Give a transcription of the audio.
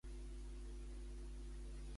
Qui és l'Emperador de Jade?